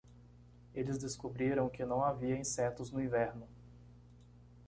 Eles descobriram que não havia insetos no inverno.